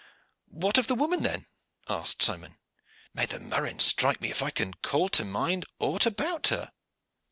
"What of the woman, then?" asked Simon. "May the murrain strike me if I can call to mind aught about her."